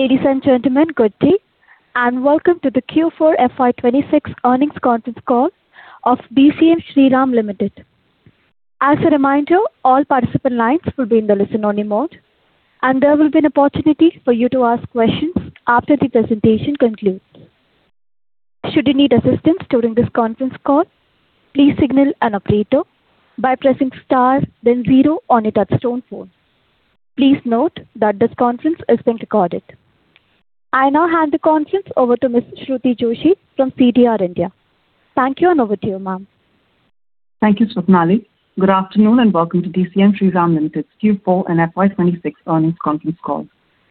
Ladies and gentlemen, good day, and welcome to the Q4 FY 2026 earnings conference call of DCM Shriram Limited. As a reminder, all participant lines will be in the listen-only mode, and there will be an opportunity for you to ask questions after the presentation concludes. Should you need assistance during this conference call, please signal an operator by pressing star then zero on your touchtone phone. Please note that this conference is being recorded. I now hand the conference over to Ms. Shruti Joshi from CDR India. Thank you, and over to you, ma'am. Thank you, Swapnali. Good afternoon, welcome to DCM Shriram Limited's Q4 and FY 2026 earnings conference call.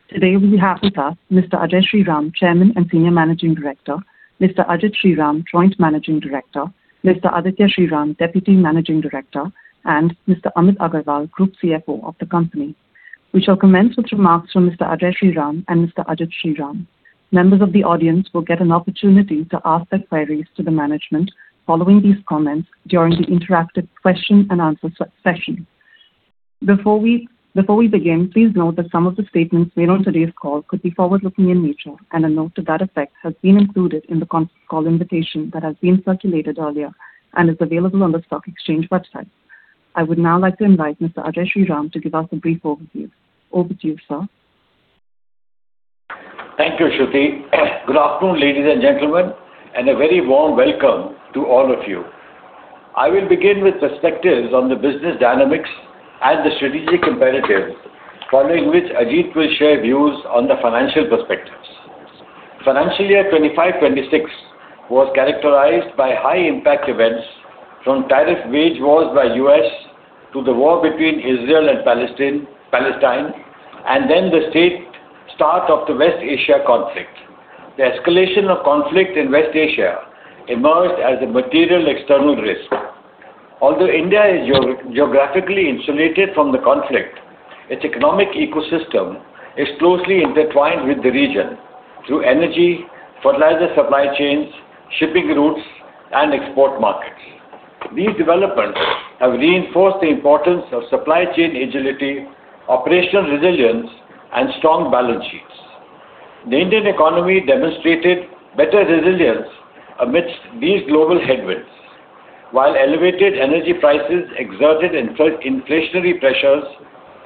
Today we have with us Mr. Ajay Shriram, Chairman and Senior Managing Director, Mr. Ajit Shriram, Joint Managing Director, Mr. Aditya Shriram, Deputy Managing Director, and Mr. Amit Agarwal, Group CFO of the company. We shall commence with remarks from Mr. Ajay Shriram and Mr. Ajit Shriram. Members of the audience will get an opportunity to ask their queries to the management following these comments during the interactive question and answer session. Before we begin, please note that some of the statements made on today's call could be forward-looking in nature, and a note to that effect has been included in the con-call invitation that has been circulated earlier and is available on the stock exchange website. I would now like to invite Mr. Ajay Shriram to give us a brief overview. Over to you, sir. Thank you, Shruti. Good afternoon, ladies and gentlemen, and a very warm welcome to all of you. I will begin with perspectives on the business dynamics and the strategic imperatives, following which Ajit will share views on the financial perspectives. Financial year 2025, 2026 was characterized by high impact events from tariff wage wars by U.S. to the war between Israel and Palestine, and then the state start of the West Asia conflict. The escalation of conflict in West Asia emerged as a material external risk. Although India is geographically insulated from the conflict, its economic ecosystem is closely intertwined with the region through energy, fertilizer supply chains, shipping routes, and export markets. These developments have reinforced the importance of supply chain agility, operational resilience, and strong balance sheets. The Indian economy demonstrated better resilience amidst these global headwinds. While elevated energy prices exerted inflationary pressures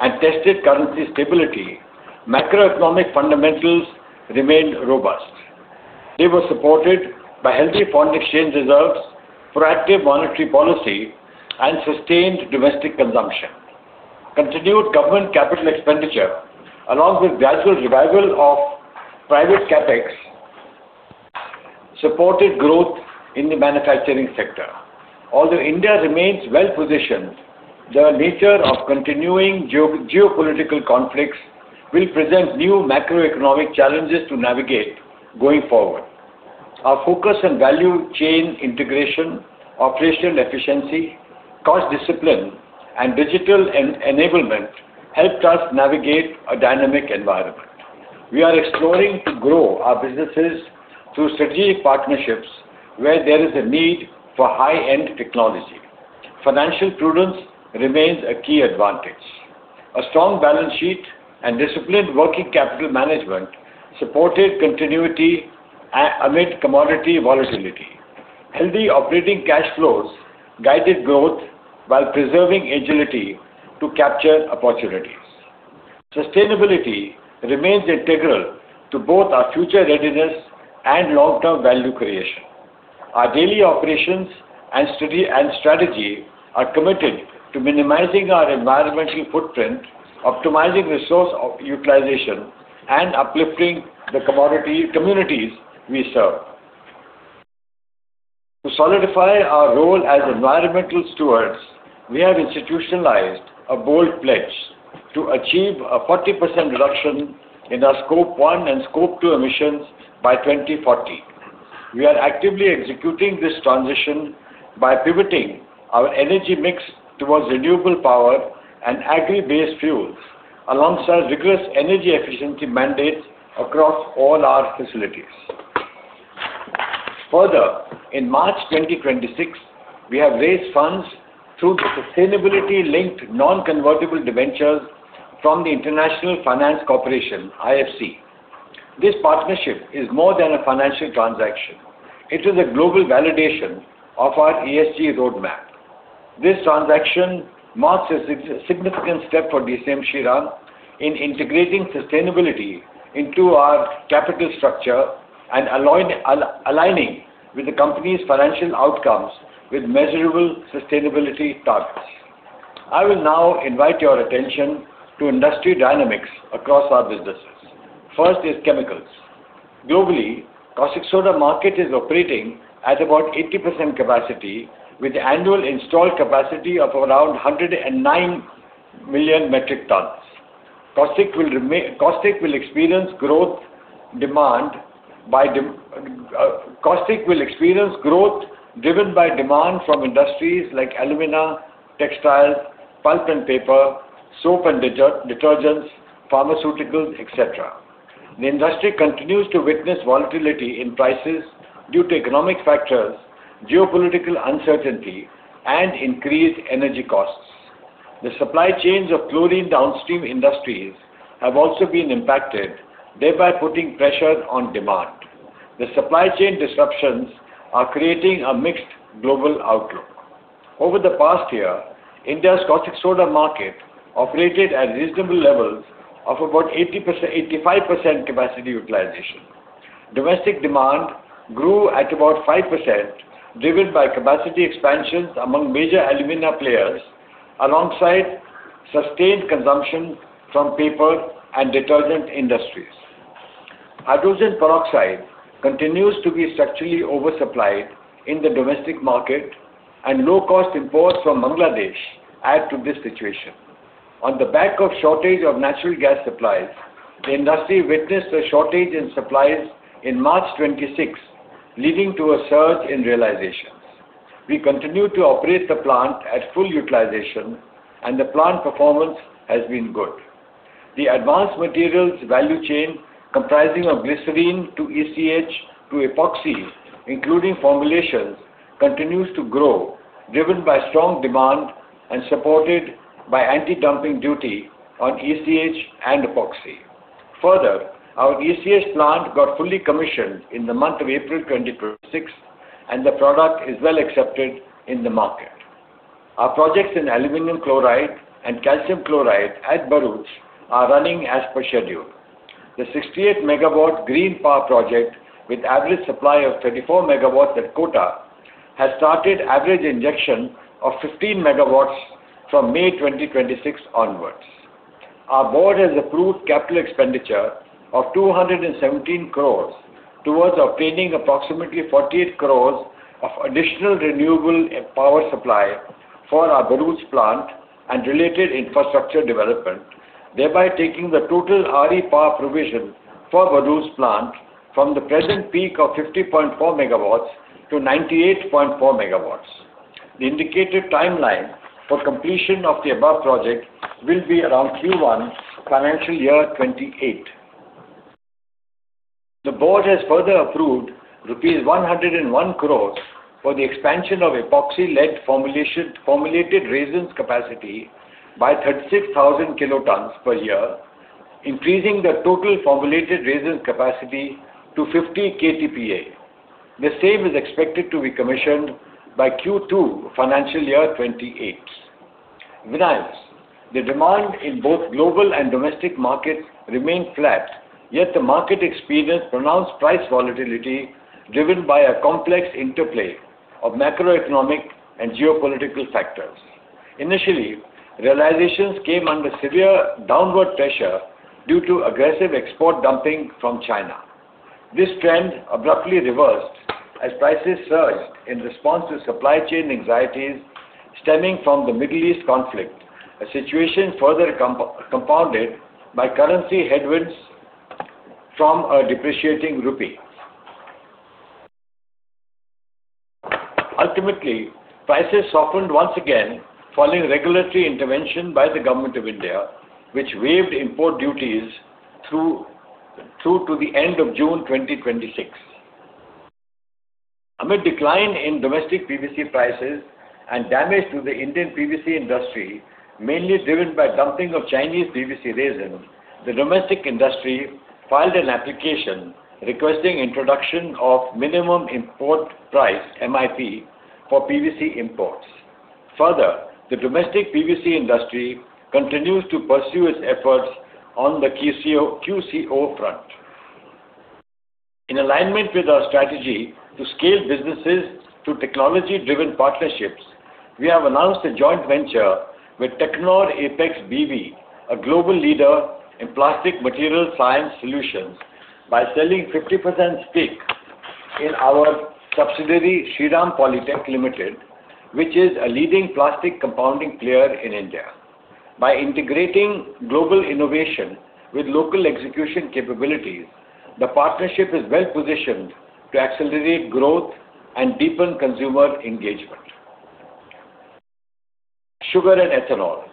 and tested currency stability, macroeconomic fundamentals remained robust. They were supported by healthy foreign exchange reserves, proactive monetary policy, and sustained domestic consumption. Continued government capital expenditure, along with gradual revival of private CapEx, supported growth in the manufacturing sector. Although India remains well-positioned, the nature of continuing geopolitical conflicts will present new macroeconomic challenges to navigate going forward. Our focus on value chain integration, operational efficiency, cost discipline, and digital enablement helped us navigate a dynamic environment. We are exploring to grow our businesses through strategic partnerships where there is a need for high-end technology. Financial prudence remains a key advantage. A strong balance sheet and disciplined working capital management supported continuity amid commodity volatility. Healthy operating cash flows guided growth while preserving agility to capture opportunities. Sustainability remains integral to both our future readiness and long-term value creation. Our daily operations and strategy are committed to minimizing our environmental footprint, optimizing resource utilization, and uplifting the communities we serve. To solidify our role as environmental stewards, we have institutionalized a bold pledge to achieve a 40% reduction in our Scope 1 and Scope 2 emissions by 2040. We are actively executing this transition by pivoting our energy mix towards renewable power and agri-based fuels, alongside rigorous energy efficiency mandates across all our facilities. In March 2026, we have raised funds through the sustainability-linked non-convertible debentures from the International Finance Corporation, IFC. This partnership is more than a financial transaction. It is a global validation of our ESG roadmap. This transaction marks a significant step for DCM Shriram in integrating sustainability into our capital structure and aligning with the company's financial outcomes with measurable sustainability targets. I will now invite your attention to industry dynamics across our businesses. First is chemicals. Globally, caustic soda market is operating at about 80% capacity with annual installed capacity of around 109 million metric tons. Caustic will experience growth driven by demand from industries like alumina, textiles, pulp and paper, soap and detergents, pharmaceuticals, et cetera. The industry continues to witness volatility in prices due to economic factors, geopolitical uncertainty, and increased energy costs. The supply chains of chlorine downstream industries have also been impacted, thereby putting pressure on demand. The supply chain disruptions are creating a mixed global outlook. Over the past year, India's caustic soda market operated at reasonable levels of about 80%-85% capacity utilization. Domestic demand grew at about 5%, driven by capacity expansions among major alumina players, alongside sustained consumption from paper and detergent industries. Hydrogen peroxide continues to be structurally oversupplied in the domestic market, and low-cost imports from Bangladesh add to this situation. On the back of shortage of natural gas supplies, the industry witnessed a shortage in supplies in March 26, leading to a surge in realizations. We continue to operate the plant at full utilization, and the plant performance has been good. The advanced materials value chain, comprising of glycerin to ECH to epoxy, including formulations, continues to grow, driven by strong demand and supported by anti-dumping duty on ECH and epoxy. Further, our ECH plant got fully commissioned in the month of April 2026, and the product is well accepted in the market. Our projects in aluminum chloride and calcium chloride at Bharuch are running as per schedule. The 68 MW green power project with average supply of 34 MW at Kota has started average injection of 15 MW from May 2026 onwards. Our board has approved capital expenditure of 217 crores towards obtaining approximately 48 crores of additional renewable power supply for our Bharuch plant and related infrastructure development, thereby taking the total RE power provision for Bharuch plant from the present peak of 50.4 MW to 98.4 MW. The indicated timeline for completion of the above project will be around Q1 FY 2028. The board has further approved rupees 101 crores for the expansion of formulated resins capacity by 36,000 kilotons per year, increasing the total formulated resins capacity to 50 KTPA. The same is expected to be commissioned by Q2 financial year 2028. Vinyls. The demand in both global and domestic markets remain flat, yet the market experienced pronounced price volatility driven by a complex interplay of macroeconomic and geopolitical factors. Initially, realizations came under severe downward pressure due to aggressive export dumping from China. This trend abruptly reversed as prices surged in response to supply chain anxieties stemming from the Middle East conflict, a situation further compounded by currency headwinds from a depreciating rupee. Ultimately, prices softened once again following regulatory intervention by the Government of India, which waived import duties through to the end of June 2026. Amid decline in domestic PVC prices and damage to the Indian PVC industry, mainly driven by dumping of Chinese PVC resin, the domestic industry filed an application requesting introduction of minimum import price, MIP, for PVC imports. Further, the domestic PVC industry continues to pursue its efforts on the QCO front. In alignment with our strategy to scale businesses through technology-driven partnerships, we have announced a joint venture with Teknor Apex BV, a global leader in plastic material science solutions, by selling 50% stake in our subsidiary, Shriram Polytech Limited, which is a leading plastic compounding player in India. By integrating global innovation with local execution capabilities, the partnership is well-positioned to accelerate growth and deepen consumer engagement. Sugar and ethanol.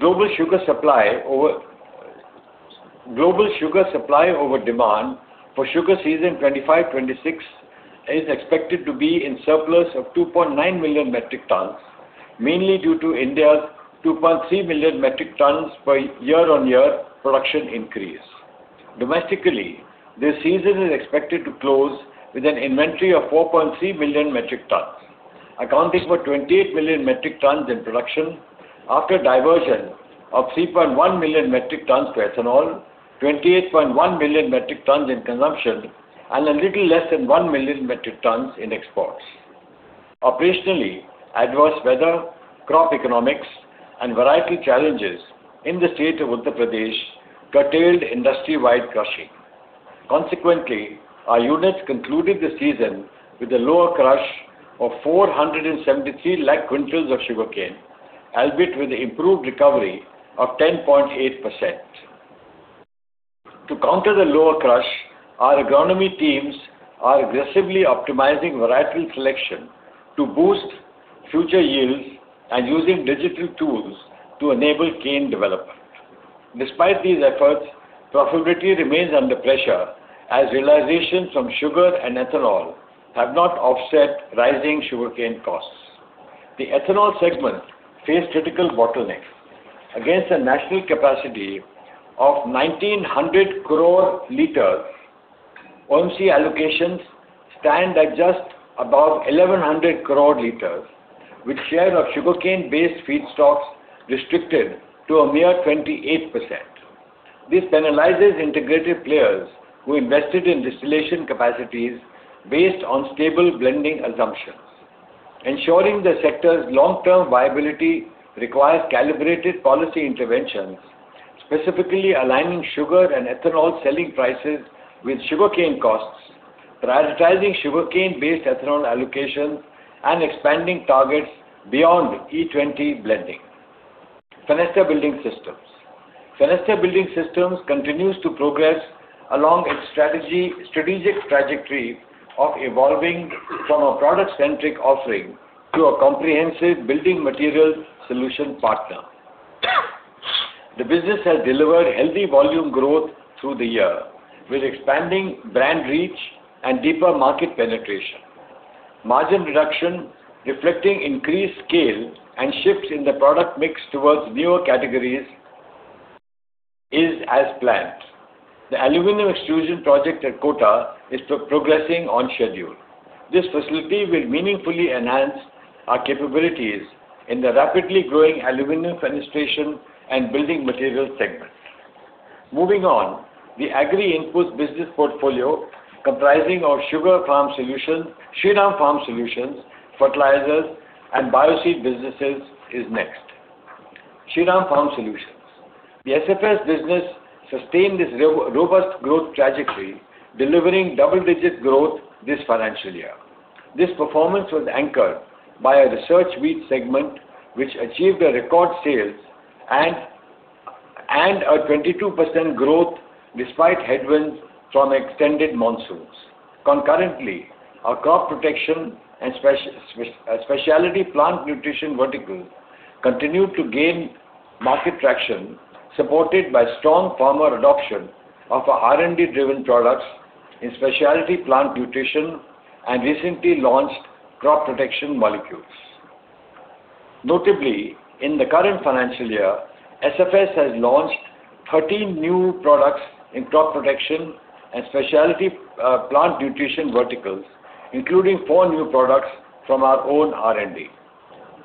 Global sugar supply over demand for sugar season 2025/2026 is expected to be in surplus of 2.9 million metric tons, mainly due to India's 2.3 million metric tons per year-on-year production increase. Domestically, this season is expected to close with an inventory of 4.3 million metric tons, accounting for 28 million metric tons in production after a diversion of 3.1 million metric tons to ethanol, 28.1 million metric tons in consumption, and a little less than 1 million metric tons in exports. Operationally, adverse weather, crop economics, and variety challenges in the state of Uttar Pradesh curtailed industry-wide crushing. Consequently, our units concluded the season with a lower crush of 473 lakh quintals of sugarcane, albeit with improved recovery of 10.8%. To counter the lower crush, our agronomy teams are aggressively optimizing varietal selection to boost future yields and using digital tools to enable cane development. Despite these efforts, profitability remains under pressure as realization from sugar and ethanol have not offset rising sugarcane costs. The ethanol segment face critical bottlenecks against a national capacity of 1,900 crore liters, OMC allocations stand at just above 1,100 crore liters, with share of sugarcane-based feedstocks restricted to a mere 28%. This penalizes integrated players who invested in distillation capacities based on stable blending assumptions. Ensuring the sector's long-term viability requires calibrated policy interventions, specifically aligning sugar and ethanol selling prices with sugarcane costs, prioritizing sugarcane-based ethanol allocations, and expanding targets beyond E20 blending. Fenesta Building Systems continues to progress along its strategic trajectory of evolving from a product-centric offering to a comprehensive building material solution partner. The business has delivered healthy volume growth through the year, with expanding brand reach and deeper market penetration. Margin reduction reflecting increased scale and shifts in the product mix towards newer categories is as planned. The aluminum extrusion project at Kota is progressing on schedule. This facility will meaningfully enhance our capabilities in the rapidly growing aluminum fenestration and building material segments. The agri input business portfolio comprising of Shriram Farm Solutions, fertilizers, and Bioseed businesses is next. Shriram Farm Solutions. The SFS business sustained its robust growth trajectory, delivering double-digit growth this financial year. This performance was anchored by a research wheat segment, which achieved a record sales and a 22% growth despite headwinds from extended monsoons. Our crop protection and specialty plant nutrition vertical continued to gain market traction, supported by strong farmer adoption of our R&D-driven products in specialty plant nutrition and recently launched crop protection molecules. Notably, in the current financial year, SFS has launched 13 new products in crop protection and specialty plant nutrition verticals, including 4 new products from our own R&D.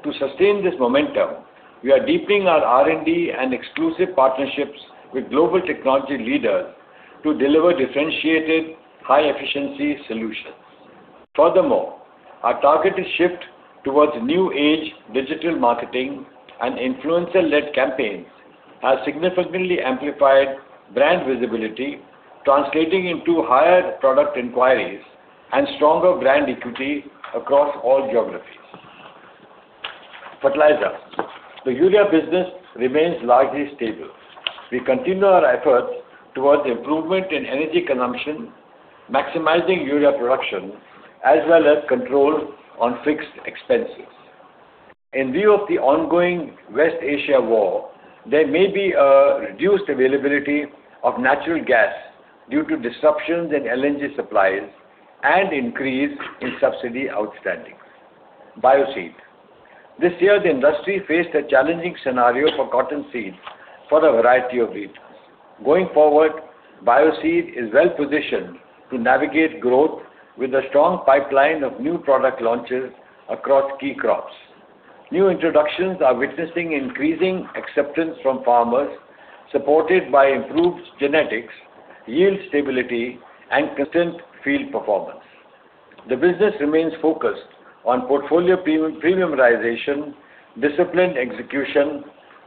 To sustain this momentum, we are deepening our R&D and exclusive partnerships with global technology leaders to deliver differentiated high-efficiency solutions. Furthermore, our targeted shift towards new age digital marketing and influencer-led campaigns has significantly amplified brand visibility, translating into higher product inquiries and stronger brand equity across all geographies. Fertilizers. The urea business remains largely stable. We continue our efforts towards improvement in energy consumption, maximizing urea production, as well as control on fixed expenses. In view of the ongoing West Asia war, there may be a reduced availability of natural gas due to disruptions in LNG supplies and increase in subsidy outstanding. Bioseed. This year, the industry faced a challenging scenario for cotton seeds for a variety of reasons. Going forward, Bioseed is well-positioned to navigate growth with a strong pipeline of new product launches across key crops. New introductions are witnessing increasing acceptance from farmers, supported by improved genetics, yield stability, and consistent field performance. The business remains focused on portfolio premiumization, disciplined execution,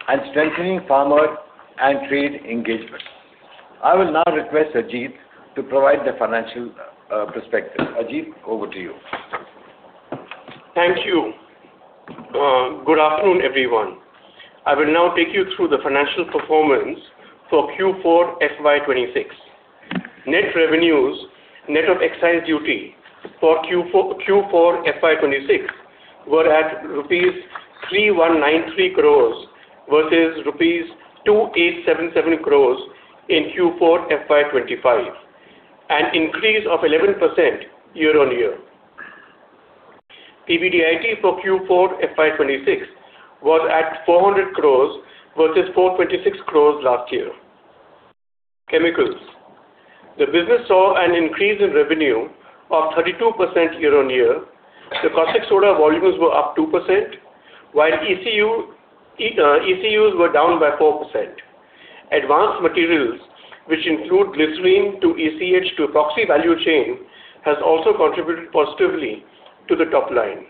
and strengthening farmer and trade engagement. I will now request Ajit Shriram to provide the financial perspective. Ajit, over to you. Thank you. Good afternoon, everyone. I will now take you through the financial performance for Q4 FY 2026. Net revenues, net of excise duty for Q4 FY 2026 were at rupees 3,193 crores, versus rupees 2,877 crores in Q4 FY 2025, an increase of 11% year-on-year. PBDIT for Q4 FY 2026 was at 400 crores versus 426 crores last year. Chemicals. The business saw an increase in revenue of 32% year-on-year. The caustic soda volumes were up 2%, while ECU, ECUs were down by 4%. Advanced materials, which include glycerin to ECH to epoxy value chain, has also contributed positively to the top line.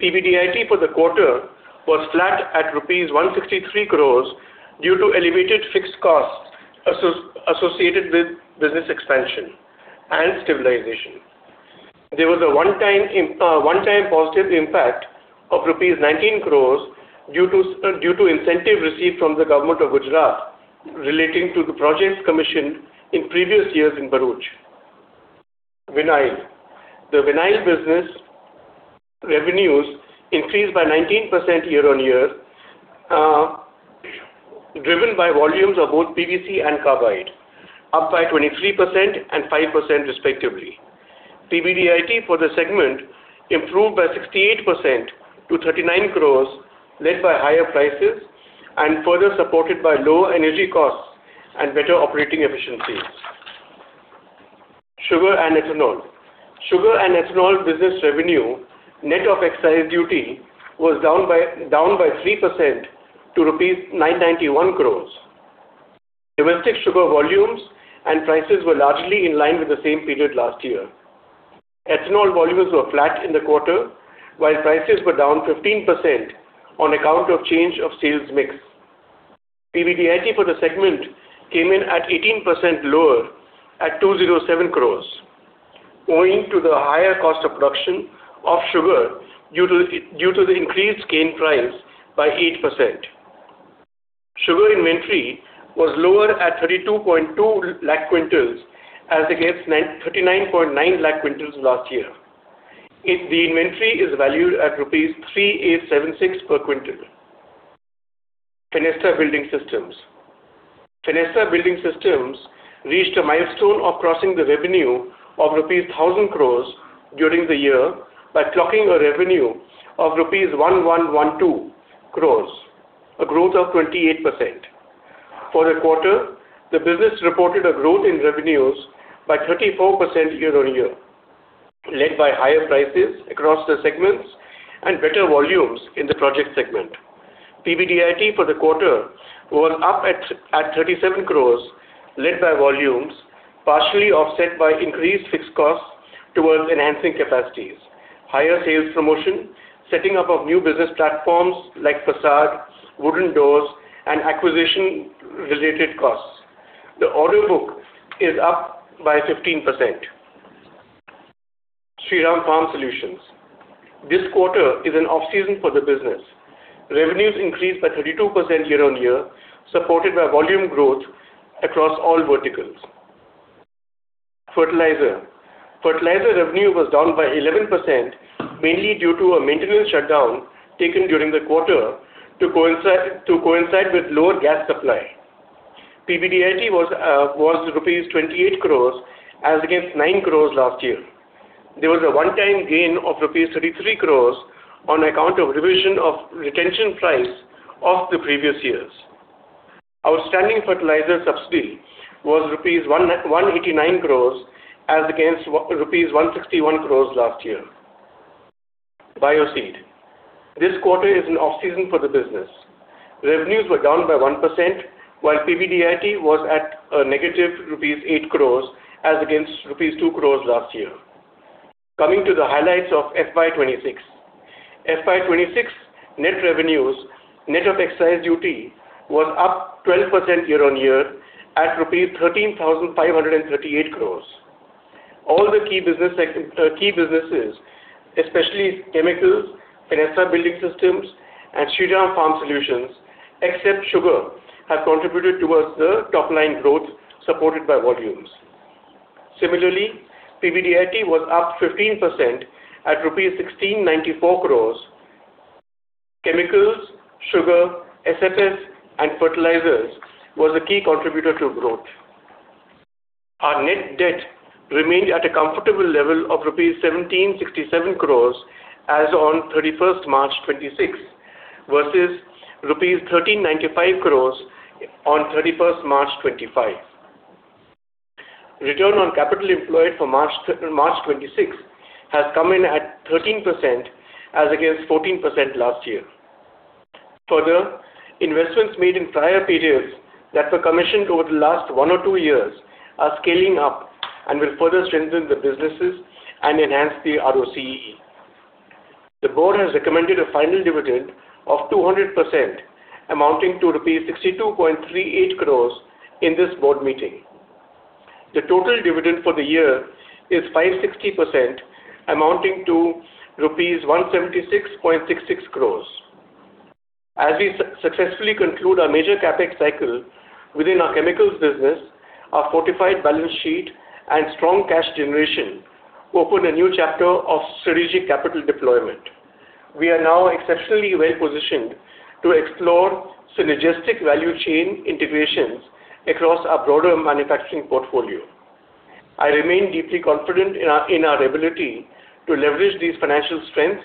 PBDIT for the quarter was flat at rupees 163 crores due to elevated fixed costs associated with business expansion and stabilization. There was a one-time positive impact of rupees 19 crores due to incentive received from the government of Gujarat relating to the projects commissioned in previous years in Bharuch. Vinyl. The vinyl business revenues increased by 19% year-on-year, driven by volumes of both PVC and carbide, up by 23% and 5% respectively. PBDIT for the segment improved by 68% to 39 crores, led by higher prices and further supported by lower energy costs and better operating efficiencies. Sugar and ethanol. Sugar and ethanol business revenue, net of excise duty, was down by 3% to rupees 991 crores. Domestic sugar volumes and prices were largely in line with the same period last year. Ethanol volumes were flat in the quarter, while prices were down 15% on account of change of sales mix. PBDIT for the segment came in at 18% lower at 207 crores, owing to the higher cost of production of sugar due to the increased cane price by 8%. Sugar inventory was lower at 32.2 lakh quintals as against 39.9 lakh quintals last year. The inventory is valued at rupees 3,876 per quintal. Fenesta Building Systems. Fenesta Building Systems reached a milestone of crossing the revenue of rupees 1,000 crores during the year by clocking a revenue of rupees 1,112 crores, a growth of 28%. For the quarter, the business reported a growth in revenues by 34% year-on-year, led by higher prices across the segments and better volumes in the project segment. PBDIT for the quarter was up at 37 crores, led by volumes partially offset by increased fixed costs towards enhancing capacities, higher sales promotion, setting up of new business platforms like façade, wooden doors, and acquisition-related costs. The order book is up by 15%. Shriram Farm Solutions. This quarter is an off-season for the business. Revenues increased by 32% year-on-year, supported by volume growth across all verticals. Fertilizer. Fertilizer revenue was down by 11%, mainly due to a maintenance shutdown taken during the quarter to coincide with lower gas supply. PBDIT was rupees 28 crores as against 9 crores last year. There was a one-time gain of rupees 33 crores on account of revision of retention price of the previous years. Outstanding fertilizer subsidy was 189 crores as against rupees 161 crores last year. Bioseed. This quarter is an off-season for the business. Revenues were down by 1%, while PBDIT was at a negative rupees 8 crores as against rupees 2 crores last year. Coming to the highlights of FY 2026. FY 2026 net revenues, net of excise duty, was up 12% year-on-year at rupees 13,538 crores. All the key businesses, especially Chemicals, Fenesta Building Systems, and Shriram Farm Solutions, except Sugar, have contributed towards the top-line growth supported by volumes. Similarly, PBDIT was up 15% at rupees 1,694 crores. Chemicals, Sugar, SFS, and Fertilizers was a key contributor to growth. Our net debt remained at a comfortable level of INR 1,767 crores as on March 31, 2026 versus INR 1,395 crores on March 31, 2025. Return on capital employed for March 26 has come in at 13% as against 14% last year. Further, investments made in prior periods that were commissioned over the last one or two years are scaling up and will further strengthen the businesses and enhance the ROCE. The board has recommended a final dividend of 200% amounting to rupees 62.38 crores in this board meeting. The total dividend for the year is 560% amounting to rupees 176.66 crores. As we successfully conclude our major CapEx cycle within our Chemicals business, our fortified balance sheet and strong cash generation open a new chapter of synergistic capital deployment. We are now exceptionally well-positioned to explore synergistic value chain integrations across our broader manufacturing portfolio. I remain deeply confident in our ability to leverage these financial strengths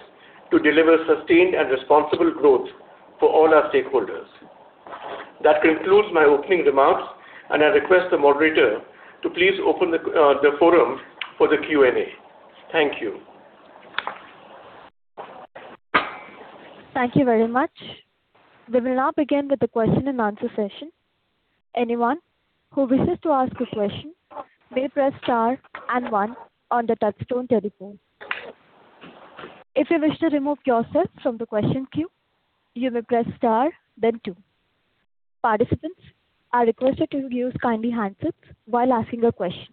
to deliver sustained and responsible growth for all our stakeholders. That concludes my opening remarks. I request the moderator to please open the forum for the Q&A. Thank you. Thank you very much. We will now begin with the question and answer session. Anyone who wishes to ask a question may press star and one on the touchtone telephone. If you wish to remove yourself from the question queue, you may press star, then two. Participants are requested to use kindly handsets while asking a question.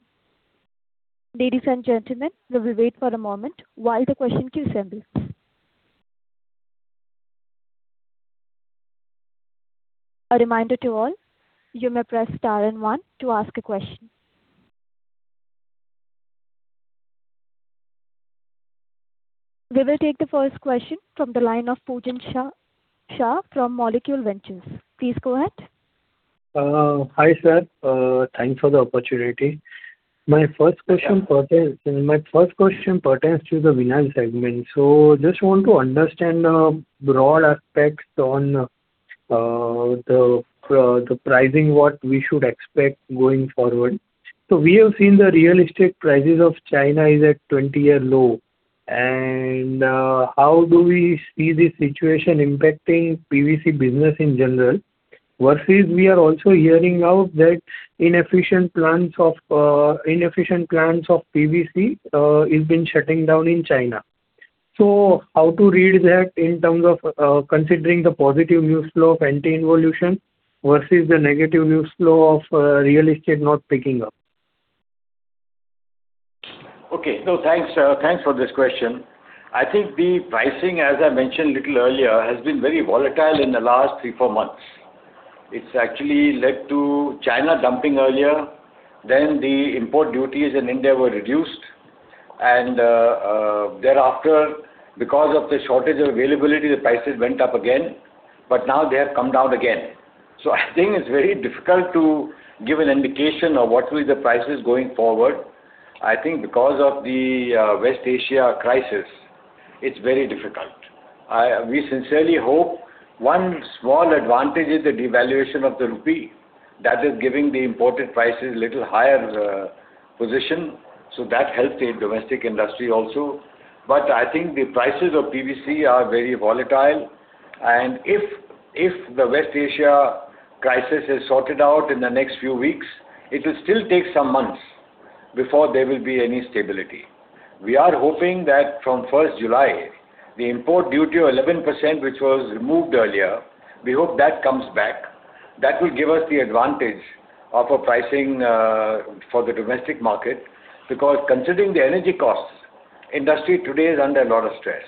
Ladies and gentlemen, we will wait for a moment while the question queue assembles. A reminder to all, you may press star and one to ask a question. We will take the first question from the line of Pujan Shah from Molecule Ventures. Please go ahead. Hi, sir. Thanks for the opportunity. My first question pertains to the vinyl segment. Just want to understand broad aspects on the pricing, what we should expect going forward. We have seen the real estate prices of China is at 20-year low. How do we see this situation impacting PVC business in general, versus we are also hearing now that inefficient plants of PVC is been shutting down in China. How to read that in terms of considering the positive news flow of anti-involution versus the negative news flow of real estate not picking up. Thanks for this question. I think the pricing, as I mentioned a little earlier, has been very volatile in the last three, four months. It's actually led to China dumping earlier. Then the import duties in India were reduced. Thereafter, because of the shortage of availability, the prices went up again. Now they have come down again. I think it's very difficult to give an indication of what will the prices going forward. I think because of the West Asia crisis, it's very difficult. We sincerely hope one small advantage is the devaluation of the rupee. That is giving the imported prices little higher position, so that helps the domestic industry also. I think the prices of PVC are very volatile. If the West Asia crisis is sorted out in the next few weeks, it will still take some months before there will be any stability. We are hoping that from 1st July, the import duty of 11%, which was removed earlier, we hope that comes back. That will give us the advantage of a pricing for the domestic market. Because considering the energy costs, industry today is under a lot of stress.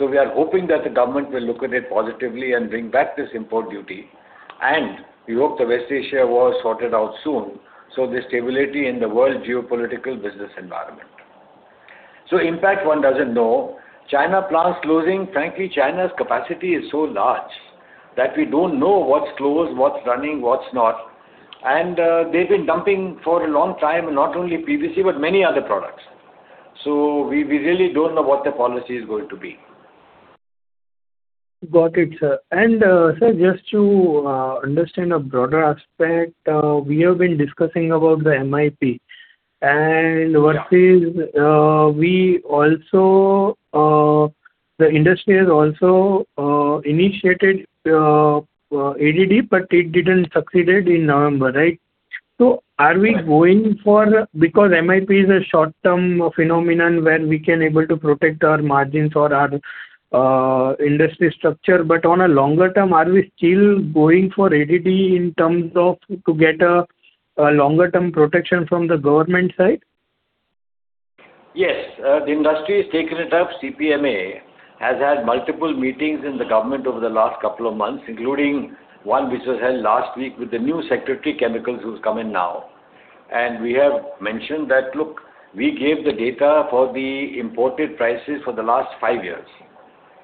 We are hoping that the government will look at it positively and bring back this import duty. We hope the West Asia war is sorted out soon, so there's stability in the world geopolitical business environment. Impact, one doesn't know. China plants closing, frankly, China's capacity is so large that we don't know what's closed, what's running, what's not. They've been dumping for a long time, not only PVC, but many other products. We really don't know what the policy is going to be. Got it, sir. Sir, just to understand a broader aspect, we have been discussing about the MIP. Versus, we also, the industry has also initiated ADD, but it didn't succeeded in November, right? Because MIP is a short-term phenomenon where we can able to protect our margins or our industry structure. On a longer term, are we still going for ADD in terms of to get a longer term protection from the government side? Yes. The industry has taken it up. CPMA has had multiple meetings in the government over the last couple of months, including one which was held last week with the new Secretary Chemicals, who's come in now. We have mentioned that, look, we gave the data for the imported prices for the last five years.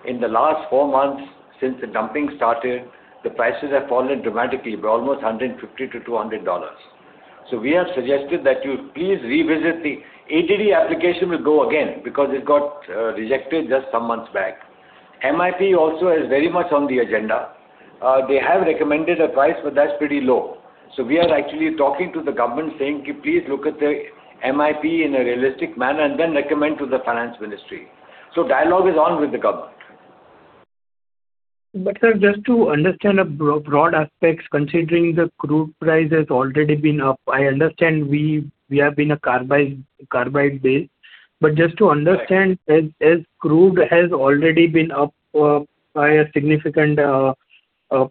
In the last four months since the dumping started, the prices have fallen dramatically by almost $150-$200. We have suggested that you please revisit the ADD application will go again because it got rejected just some months back. MIP also is very much on the agenda. They have recommended a price, but that's pretty low. We are actually talking to the government saying, "Please look at the MIP in a realistic manner and then recommend to the Finance Ministry." Dialogue is on with the government. Sir, just to understand broad aspects, considering the crude price has already been up, I understand we have been a carbide base. Just to understand, as crude has already been up by a significant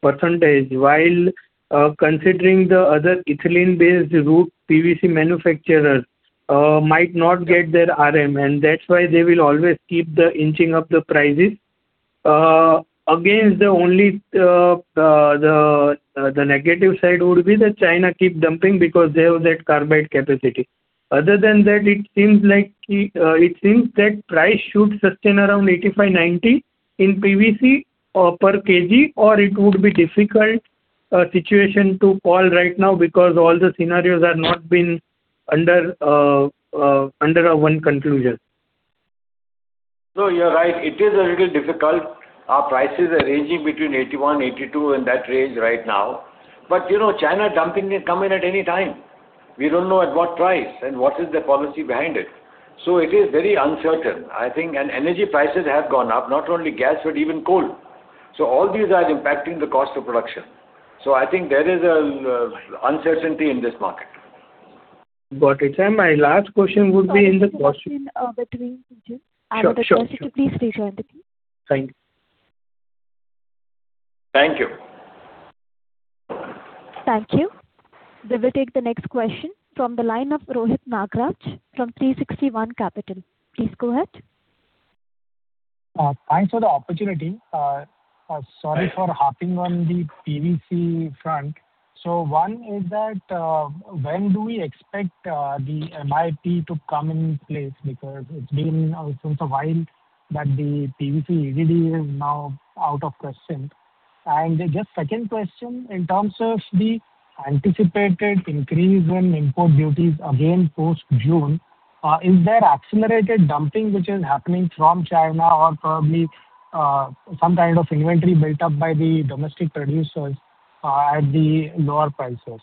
percentage, while considering the other ethylene-based route PVC manufacturers might not get their RM, and that's why they will always keep the inching up the prices. Against the only the negative side would be that China keep dumping because they have that carbide capacity. Other than that, it seems like it seems that price should sustain around 85-90 in PVC per kg, or it would be difficult situation to call right now because all the scenarios have not been under one conclusion. No, you're right. It is a little difficult. Our prices are ranging between 81, 82 and that range right now. You know, China dumping may come in at any time. We don't know at what price and what is the policy behind it. It is very uncertain, I think. Energy prices have gone up, not only gas, but even coal. All these are impacting the cost of production. I think there is an uncertainty in this market. Got it, sir. Sorry to cut in between, Pujan. Sure, sure. Another question, please stay joined the queue. Thank you. Thank you. We will take the next question from the line of Rohit Nagraj from 360 ONE Capital. Please go ahead. Thanks for the opportunity. Sorry for harping on the PVC front. One is that, when do we expect the MIP to come in place? Because it's been also a while that the PVC really is now out of question. Just second question, in terms of the anticipated increase in import duties again post-June, is there accelerated dumping which is happening from China or probably, some kind of inventory built up by the domestic producers, at the lower prices?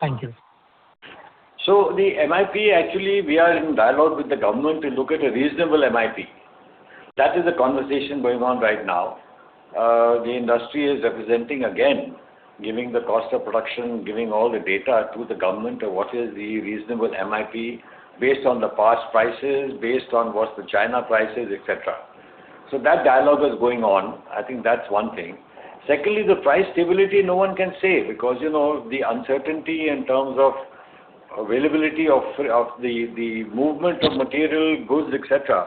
Thank you. The MIP, actually, we are in dialogue with the government to look at a reasonable MIP. That is a conversation going on right now. The industry is representing again, giving the cost of production, giving all the data to the government of what is the reasonable MIP based on the past prices, based on what's the China prices, et cetera. That dialogue is going on. I think that's one thing. Secondly, the price stability, no one can say, because, you know, the uncertainty in terms of availability of the movement of material, goods, et cetera,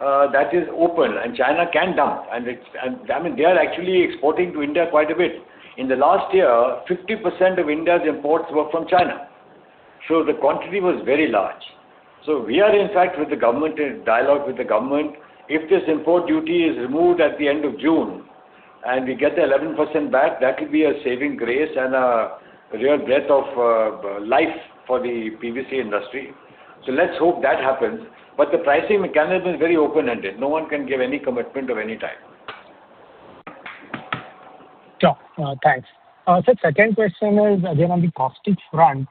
that is open and China can dump. I mean, they are actually exporting to India quite a bit. In the last year, 50% of India's imports were from China. The quantity was very large. We are in fact with the government, in dialogue with the government. If this import duty is removed at the end of June and we get the 11% back, that could be a saving grace and a real breath of life for the PVC industry. Let's hope that happens. The pricing mechanism is very open-ended. No one can give any commitment of any time. Sure. Thanks. Sir, second question is again on the caustic front.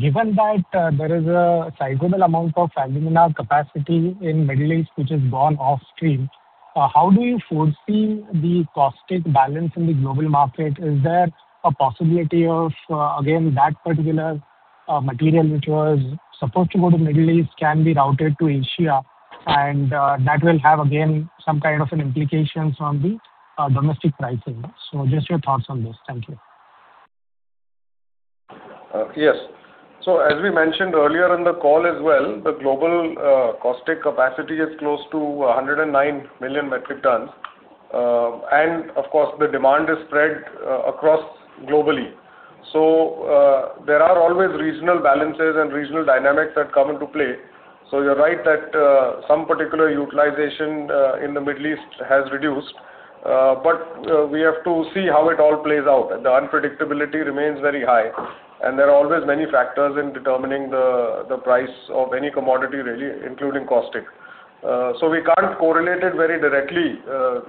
Given that, there is a sizable amount of alumina capacity in Middle East which is gone off-stream, how do you foresee the caustic balance in the global market? Is there a possibility of, again, that particular material which was supposed to go to Middle East can be routed to Asia and that will have again some kind of an implications on the domestic pricing? Just your thoughts on this. Thank you. Yes. As we mentioned earlier in the call as well, the global caustic capacity is close to 109 million metric tons. Of course, the demand is spread across globally. There are always regional balances and regional dynamics that come into play. You're right that some particular utilization in the Middle East has reduced. We have to see how it all plays out. The unpredictability remains very high, and there are always many factors in determining the price of any commodity really, including caustic. We can't correlate it very directly,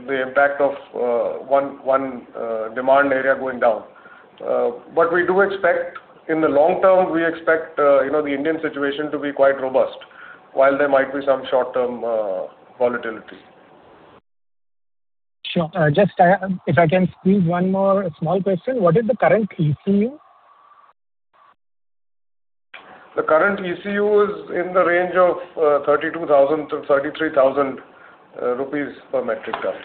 the impact of one demand area going down. We do expect, in the long term, we expect, you know, the Indian situation to be quite robust, while there might be some short-term volatility. Sure. Just, if I can squeeze one more small question. What is the current ECU? The current ECU is in the range of 32,000-33,000 rupees per metric ton.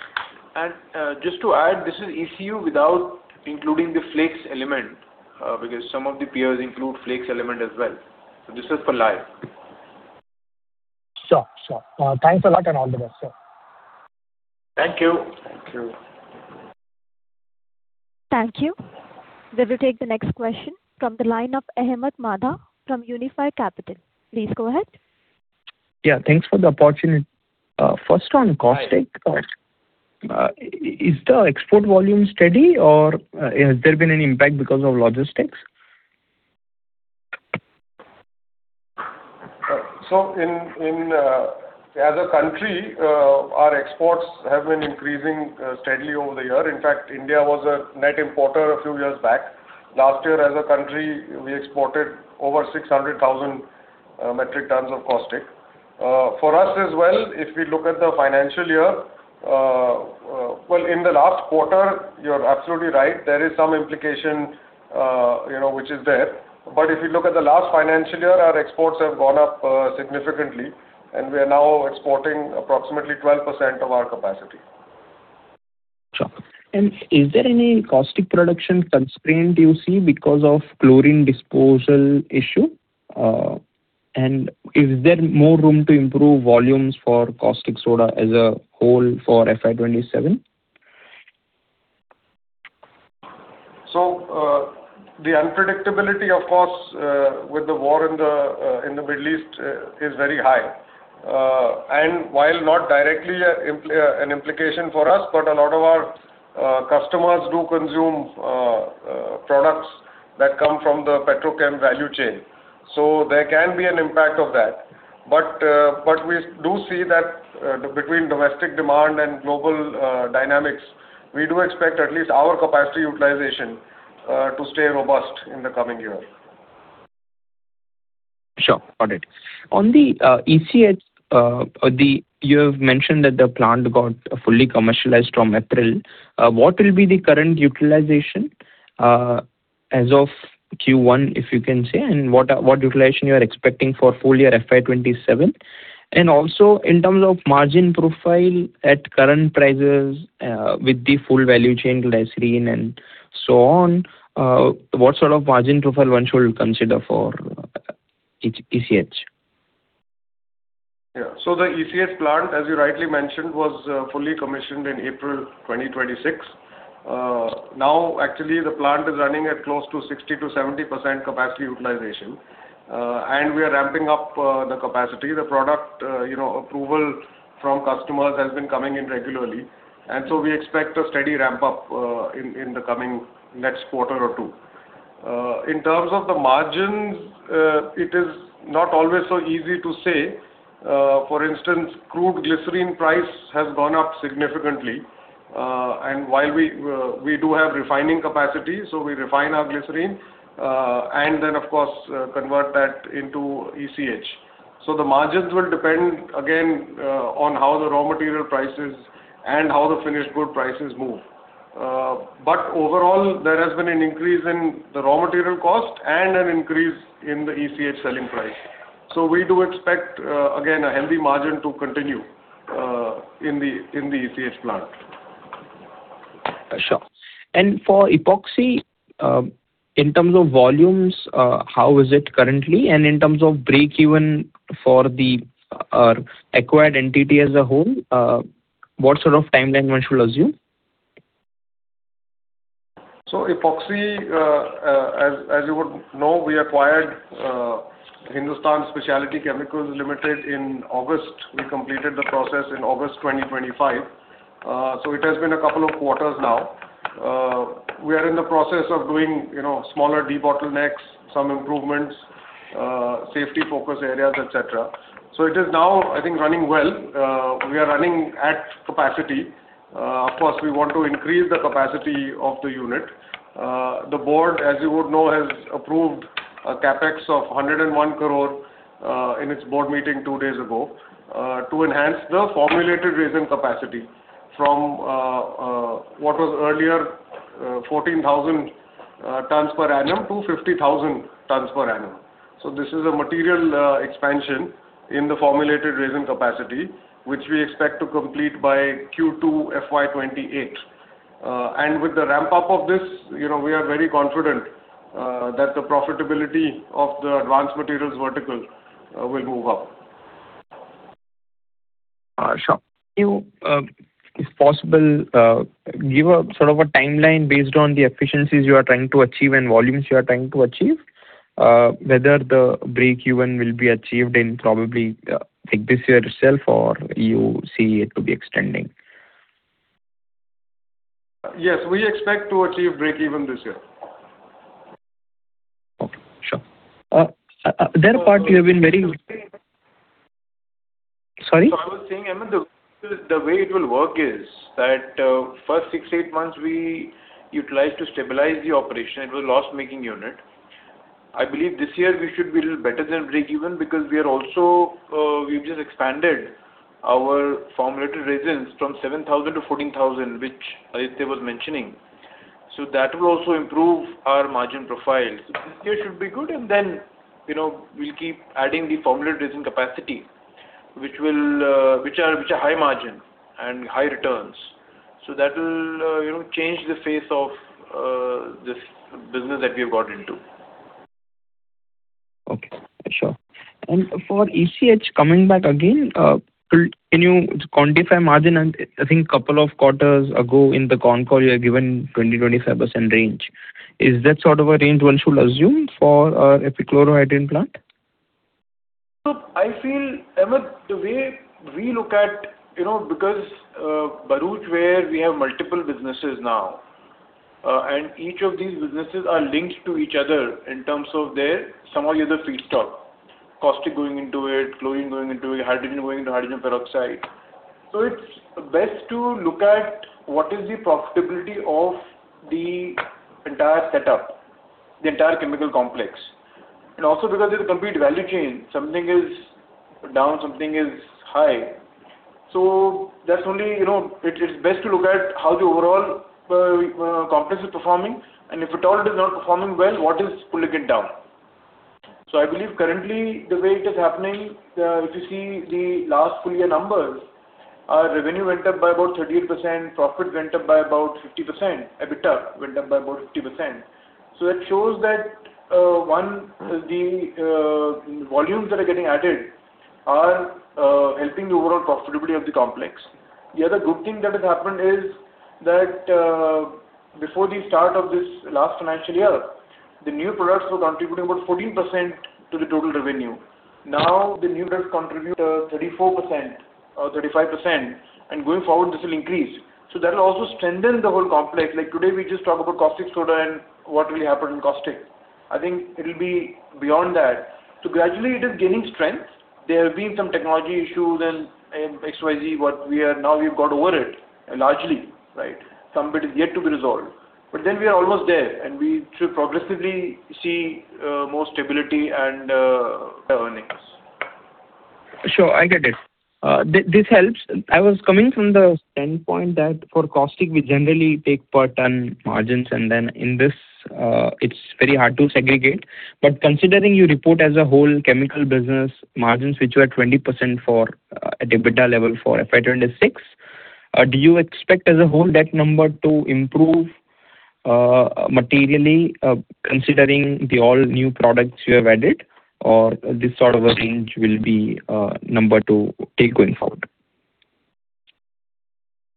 Just to add, this is ECU without including the flakes element, because some of the peers include flakes element as well. This is for live. Sure. Sure. Thanks a lot and all the best, sir. Thank you. Thank you. Thank you. We will take the next question from the line of Ahmed Madha from Unifi Capital. Please go ahead. Yeah, thanks for the opportunity. First on caustic. Is the export volume steady or, has there been any impact because of logistics? As a country, our exports have been increasing steadily over the year. In fact, India was a net importer a few years back. Last year, as a country, we exported over 600,000 metric tons of caustic. For us as well, if we look at the financial year, well, in the last quarter, you're absolutely right, there is some implication, you know, which is there. If you look at the last financial year, our exports have gone up significantly, and we are now exporting approximately 12% of our capacity. Sure. Is there any caustic production constraint you see because of chlorine disposal issue? Is there more room to improve volumes for caustic soda as a whole for FY 2027? The unpredictability, of course, with the war in the Middle East is very high. While not directly an implication for us, a lot of our customers do consume products that come from the petrochem value chain. There can be an impact of that. We do see that between domestic demand and global dynamics, we do expect at least our capacity utilization to stay robust in the coming year. Sure. Got it. On the ECH, You have mentioned that the plant got fully commercialized from April. What will be the current utilization as of Q1, if you can say? What utilization you are expecting for full year FY 2027? Also, in terms of margin profile at current prices, with the full value chain glycerin and so on, what sort of margin profile one should consider for ECH? The ECH plant, as you rightly mentioned, was fully commissioned in April 2026. Now actually the plant is running at close to 60%-70% capacity utilization. We are ramping up the capacity. The product, you know, approval from customers has been coming in regularly, we expect a steady ramp up in the coming next quarter or two. In terms of the margins, it is not always so easy to say. For instance, crude glycerin price has gone up significantly. While we do have refining capacity, we refine our glycerin, and then of course convert that into ECH. The margins will depend again on how the raw material prices and how the finished good prices move. Overall, there has been an increase in the raw material cost and an increase in the ECH selling price. We do expect again, a healthy margin to continue in the ECH plant. Sure. For epoxy, in terms of volumes, how is it currently? In terms of breakeven for the acquired entity as a whole, what sort of timeline one should assume? Epoxy, as you would know, we acquired Hindusthan Speciality Chemicals Limited in August. We completed the process in August 2025. It has been a couple of quarters now. We are in the process of doing, you know, smaller debottlenecks, some improvements, safety focus areas, etc. It is now, I think, running well. We are running at capacity. Of course, we want to increase the capacity of the unit. The board, as you would know, has approved a CapEx of 101 crore in its board meeting two days ago to enhance the formulated resin capacity from what was earlier 14,000 tons per annum to 50,000 tons per annum. This is a material expansion in the formulated resin capacity, which we expect to complete by Q2 FY 2028. And with the ramp up of this, you know, we are very confident that the profitability of the Advanced Materials Vertical will move up. Sure. Can you, if possible, give a sort of a timeline based on the efficiencies you are trying to achieve and volumes you are trying to achieve, whether the breakeven will be achieved in probably, like this year itself, or you see it to be extending? Yes, we expect to achieve breakeven this year. Okay. Sure. that part we have been very. I was saying. Sorry? I was saying, Ahmed, the way it will work is that, first six, eight months we utilize to stabilize the operation. It was a loss-making unit. I believe this year we should be a little better than breakeven because we are also, we've just expanded our formulated resins from 7,000 to 14,000, which Aditya was mentioning. That will also improve our margin profile. This year should be good, then, you know, we'll keep adding the formulated resin capacity, which will, which are high margin and high returns. That will, you know, change the face of this business that we have got into. Okay. Sure. For ECH, coming back again, can you quantify margin? I think couple of quarters ago in the concall you had given 20%-25% range. Is that sort of a range one should assume for our epichlorohydrin plant? I feel, Ahmed the way we look at, you know, because Bharuch, where we have multiple businesses now, and each of these businesses are linked to each other in terms of their some or the other feedstock, caustic going into it, chlorine going into it, hydrogen going into hydrogen peroxide. It's best to look at what is the profitability of the entire setup, the entire chemical complex. Also because it's a complete value chain, something is down, something is high. That's only, you know, it's best to look at how the overall complex is performing, and if at all it is not performing well, what is pulling it down. I believe currently the way it is happening, if you see the last full year numbers, our revenue went up by about 38%, profit went up by about 50%, EBITDA went up by about 50%. That shows that one, the volumes that are getting added are helping the overall profitability of the complex. The other good thing that has happened is that before the start of this last financial year, the new products were contributing about 14% to the total revenue. Now the new products contribute 34% or 35%, and going forward this will increase. That will also strengthen the whole complex. Like today we just talk about caustic soda and what will happen in caustic. I think it'll be beyond that. Gradually it is gaining strength. There have been some technology issues and XYZ what we are Now we've got over it largely, right? Some bit is yet to be resolved. We are almost there, and we should progressively see more stability and earnings. Sure, I get it. This helps. I was coming from the standpoint that for caustic we generally take per ton margins, and then in this, it's very hard to segregate. Considering you report as a whole chemical business margins which were 20% for, at EBITDA level for FY 2026, do you expect as a whole that number to improve materially, considering the all new products you have added or this sort of a range will be, number to take going forward?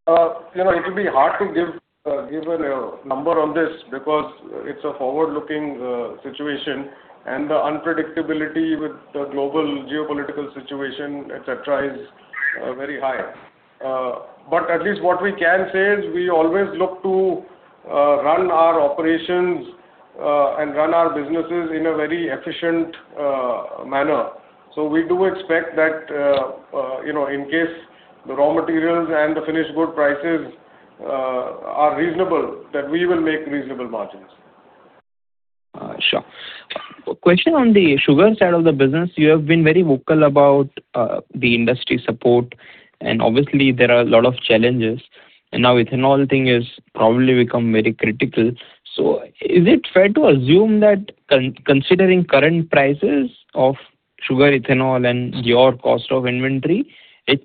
You know, it will be hard to give a number on this because it's a forward-looking situation and the unpredictability with the global geopolitical situation, et cetera, is very high. At least what we can say is we always look to run our operations and run our businesses in a very efficient manner. We do expect that, you know, in case the raw materials and the finished good prices are reasonable, that we will make reasonable margins. Sure. Question on the sugar side of the business. You have been very vocal about the industry support, and obviously there are a lot of challenges. Now ethanol thing is probably become very critical. Is it fair to assume that considering current prices of sugar, ethanol and your cost of inventory, it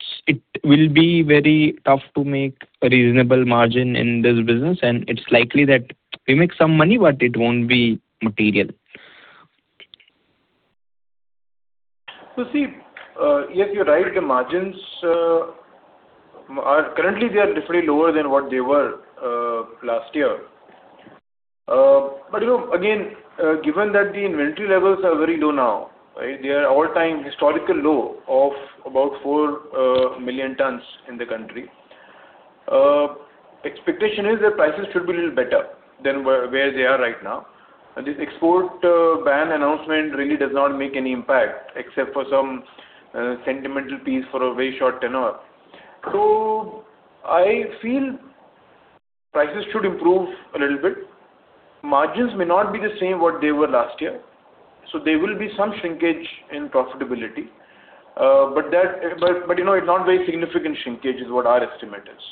will be very tough to make a reasonable margin in this business, and it's likely that we make some money, but it won't be material? See, yes, you're right. The margins are currently they are definitely lower than what they were last year. You know, again, given that the inventory levels are very low now, right? They are all-time historical low of about 4 million tons in the country. Expectation is that prices should be a little better than where they are right now. This export ban announcement really does not make any impact except for some sentimental piece for a very short tenure. I feel prices should improve a little bit. Margins may not be the same what they were last year, so there will be some shrinkage in profitability. You know, it's not very significant shrinkage is what our estimate is.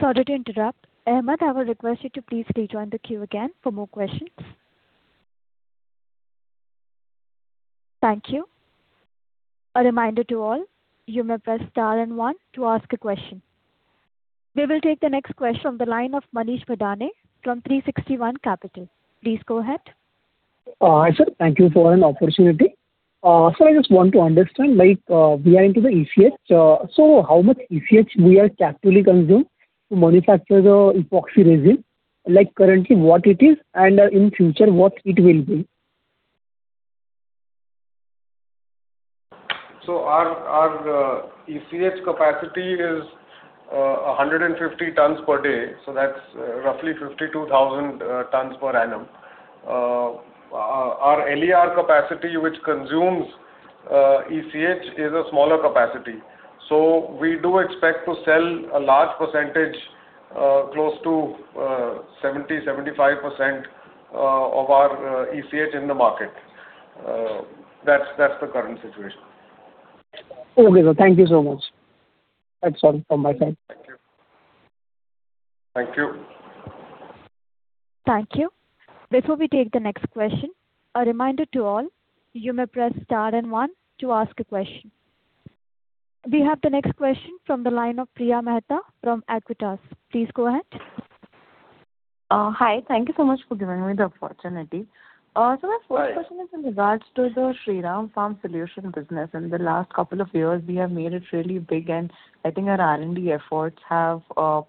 Sorry to interrupt. Ahmed, I will request you to please rejoin the queue again for more questions. Thank you. A reminder to all, you may press star and one to ask a question. We will take the next question on the line of Manish Bhadane from 360 ONE Capital. Please go ahead. Hi, sir. Thank for an opportunity. I just want to understand, like, we are into the ECH. How much ECH we are actually consume to manufacture the epoxy resin? Like currently what it is and in future what it will be? Our ECH capacity is 150 tons per day, so that's roughly 52,000 tons per annum. Our LER capacity, which consumes ECH is a smaller capacity. We do expect to sell a large percentage, close to 70%-75% of our ECH in the market. That's the current situation. Okay, sir. Thank you so much. That's all from my side. Thank you. Thank you. Before we take the next question, a reminder to all, you may press star one to ask a question. We have the next question from the line of Riya Mehta from Aequitas. Please go ahead. Hi. Thank you so much for giving me the opportunity. My first question is in regards to the Shriram Farm Solutions business. In the last couple of years, we have made it really big, and I think our R&D efforts have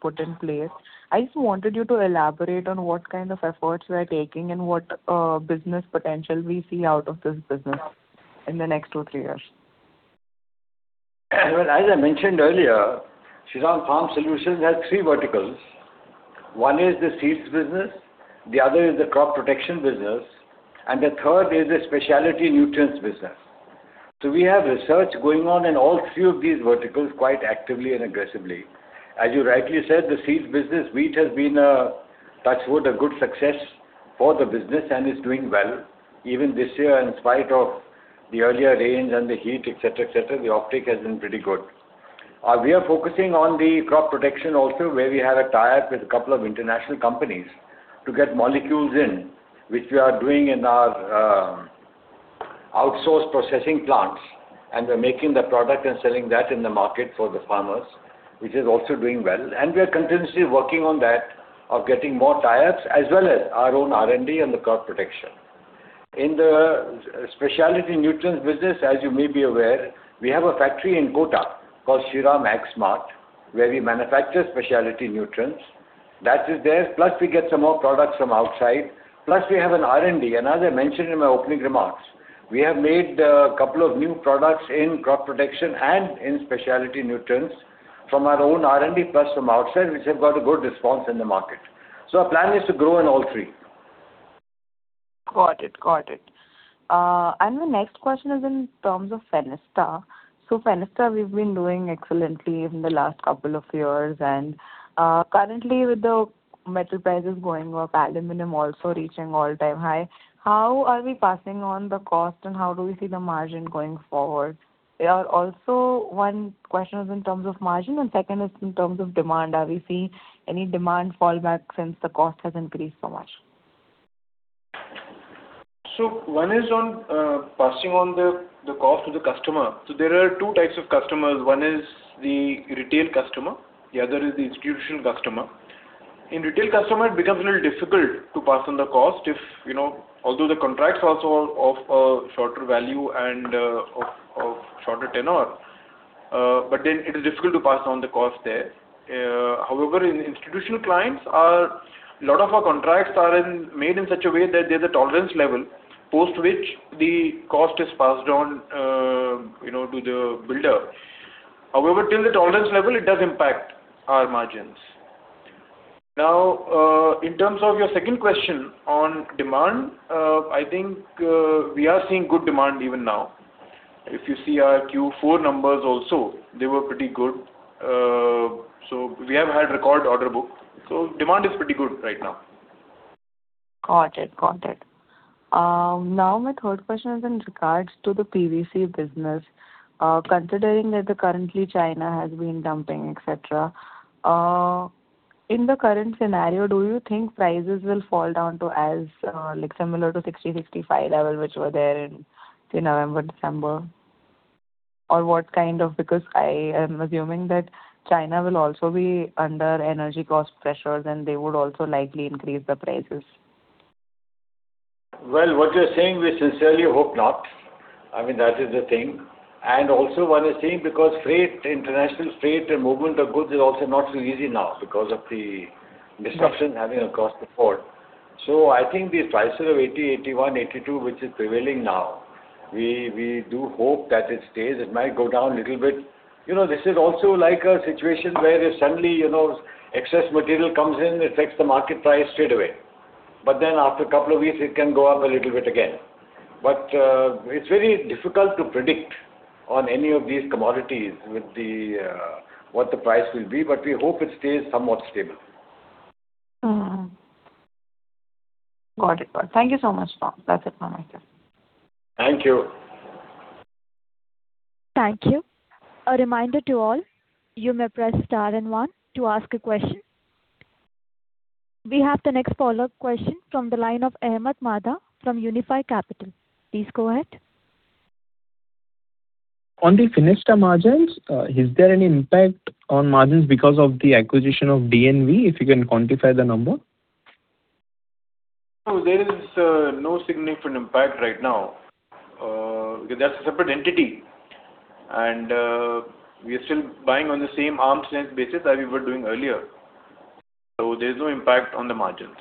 put in place. I just wanted you to elaborate on what kind of efforts we are taking and what business potential we see out of this business in the next two to three years. Well, as I mentioned earlier, Shriram Farm Solutions has three verticals. One is the seeds business, the other is the crop protection business, and the third is the specialty nutrients business. We have research going on in all three of these verticals quite actively and aggressively. As you rightly said, the seeds business, wheat has been, touch wood, a good success for the business and is doing well. Even this year, in spite of the earlier rains and the heat, et cetera, et cetera, the offtake has been pretty good. We are focusing on the crop protection also, where we have a tie-up with a couple of international companies to get molecules in, which we are doing in our outsource processing plants. We're making the product and selling that in the market for the farmers, which is also doing well. We are continuously working on that of getting more tie-ups as well as our own R&D on the crop protection. In the specialty nutrients business, as you may be aware, we have a factory in Kota called Shriram AgSmart, where we manufacture specialty nutrients. That is there. Plus we get some more products from outside. Plus we have an R&D. As I mentioned in my opening remarks, we have made a couple of new products in crop protection and in specialty nutrients from our own R&D, plus from outside, which have got a good response in the market. Our plan is to grow in all three. Got it. Got it. My next question is in terms of Fenesta. Fenesta, we've been doing excellently in the last couple of years. Currently with the metal prices going up, aluminum also reaching all-time high, how are we passing on the cost and how do we see the margin going forward? Also, one question is in terms of margin and second is in terms of demand. Are we seeing any demand fallback since the cost has increased so much? One is on passing on the cost to the customer. There are two types of customers. One is the retail customer, the other is the institutional customer. In retail customer, it becomes a little difficult to pass on the cost if, you know, although the contracts are sort of shorter value and of shorter tenure. It is difficult to pass on the cost there. However, in institutional clients, a lot of our contracts are made in such a way that there's a tolerance level post which the cost is passed on, you know, to the builder. However, till the tolerance level, it does impact our margins. In terms of your second question on demand, I think we are seeing good demand even now. If you see our Q4 numbers also, they were pretty good. We have had record order book. Demand is pretty good right now. Got it. Got it. Now my third question is in regards to the PVC business. Considering that currently China has been dumping, et cetera, in the current scenario, do you think prices will fall down to as like similar to 60, 65 level which were there in November, December? I am assuming that China will also be under energy cost pressures and they would also likely increase the prices. Well, what you're saying, we sincerely hope not. I mean, that is the thing. Also one is saying because freight, international freight and movement of goods is also not so easy now because of the disruption having across the port. I think these prices of 80, 81, 82, which is prevailing now, we do hope that it stays. It might go down a little bit. You know, this is also like a situation where if suddenly, you know, excess material comes in, it affects the market price straightaway. After a couple of weeks, it can go up a little bit again. It's very difficult to predict on any of these commodities with the what the price will be, but we hope it stays somewhat stable. Got it. Thank you so much. That's it from my side. Thank you. Thank you. A reminder to all, you may press star and one to ask a question. We have the next follow-up question from the line of Ahmed Madha from Unifi Capital. Please go ahead. On the Fenesta margins, is there any impact on margins because of the acquisition of DNV Global, if you can quantify the number? No, there is no significant impact right now. Because that's a separate entity and we are still buying on the same arm's length basis that we were doing earlier. There's no impact on the margins.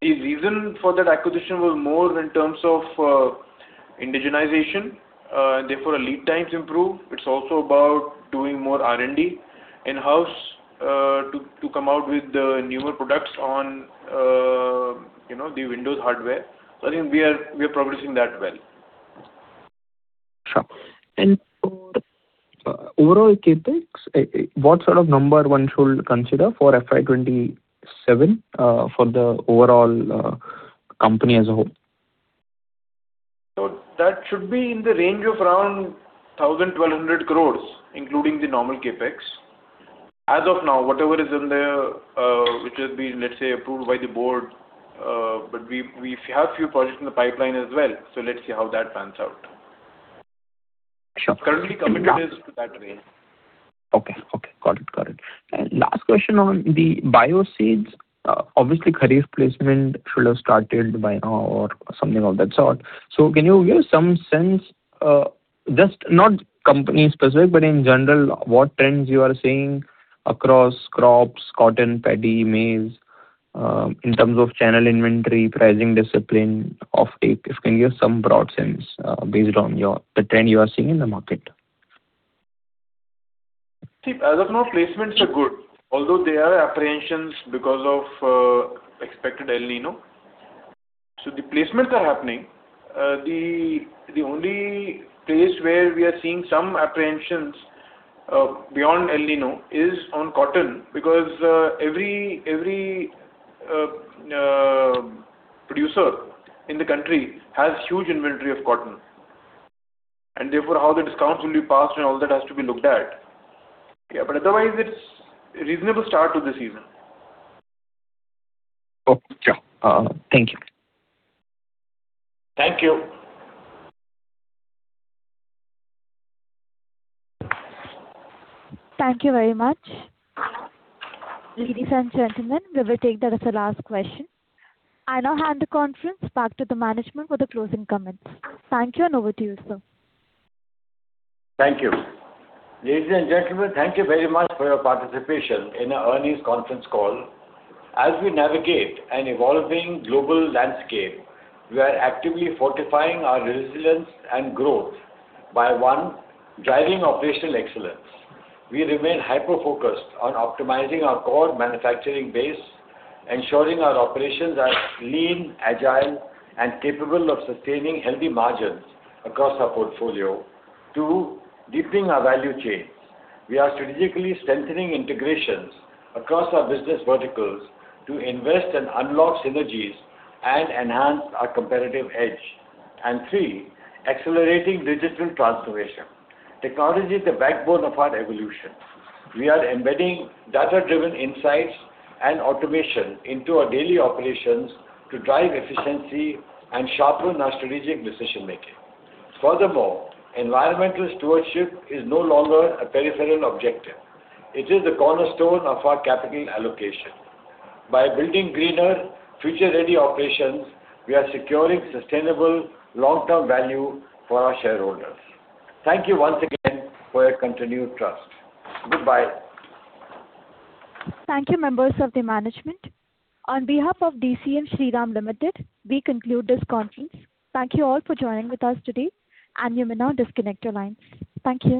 The reason for that acquisition was more in terms of indigenization and therefore lead times improve. It's also about doing more R&D in-house to come out with the newer products on, you know, the Windows hardware. I think we are progressing that well. Sure. For overall CapEx, what sort of number one should consider for FY 2027 for the overall company as a whole? That should be in the range of around 1,000-1,200 crores, including the normal CapEx. As of now, whatever is in there, which has been, let's say, approved by the board, but we have few projects in the pipeline as well. Let's see how that pans out. Sure. Currently committed is to that range. Okay. Okay. Got it. Got it. Last question on the Bioseed. Obviously, kharif placement should have started by now or something of that sort. Can you give some sense, just not company specific, but in general, what trends you are seeing across crops, cotton, paddy, maize, in terms of channel inventory, pricing discipline, offtake? If you can give some broad sense, based on your, the trend you are seeing in the market. See, as of now, placements are good, although there are apprehensions because of expected El Niño. The placements are happening. The only place where we are seeing some apprehensions beyond El Niño is on cotton, because every producer in the country has huge inventory of cotton, and therefore all the discounts will be passed and all that has to be looked at. Otherwise, it's reasonable start to the season. Okay. Sure. Thank you. Thank you. Thank you very much. Ladies and gentlemen, we will take that as the last question. I now hand the conference back to the management for the closing comments. Thank you and over to you, sir. Thank you. Ladies and gentlemen, thank you very much for your participation in our earnings conference call. As we navigate an evolving global landscape, we are actively fortifying our resilience and growth by, one, driving operational excellence. We remain hyper-focused on optimizing our core manufacturing base, ensuring our operations are lean, agile, and capable of sustaining healthy margins across our portfolio. Two, deepening our value chains. We are strategically strengthening integrations across our business verticals to invest and unlock synergies and enhance our competitive edge. Three, accelerating digital transformation. Technology is the backbone of our evolution. We are embedding data-driven insights and automation into our daily operations to drive efficiency and sharpen our strategic decision-making. Furthermore, environmental stewardship is no longer a peripheral objective. It is the cornerstone of our capital allocation. By building greener, future-ready operations, we are securing sustainable long-term value for our shareholders. Thank you once again for your continued trust. Goodbye. Thank you, members of the management. On behalf of DCM Shriram Limited, we conclude this conference. Thank you all for joining with us today, and you may now disconnect your lines. Thank you.